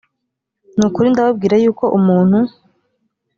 ni ukuri ndababwira yuko umuntu